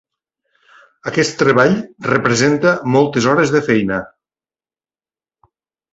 Aquest treball representa moltes hores de feina.